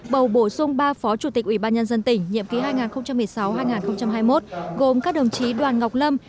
bầu bổ sung ba phó chủ tịch ủy ban nhân dân tỉnh nhiệm ký hai nghìn một mươi sáu hai nghìn hai mươi một gồm các đồng chí đoàn ngọc lâm